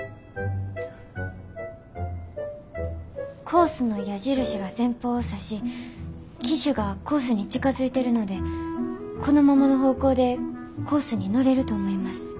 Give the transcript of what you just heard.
コースの矢印が前方を指し機首がコースに近づいてるのでこのままの方向でコースに乗れると思います。